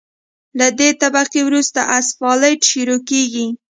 له دې طبقې وروسته اسفالټ شروع کیږي